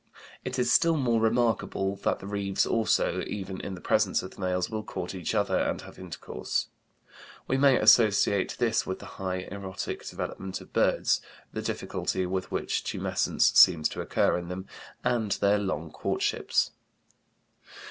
It is still more remarkable that the reeves also, even in the presence of the males, will court each other and have intercourse. We may associate this with the high erotic development of birds, the difficulty with which tumescence seems to occur in them, and their long courtships.